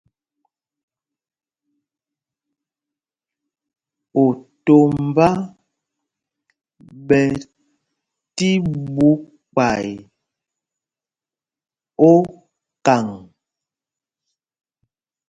Otombá ɓɛ tí ɓu kpay okaŋ.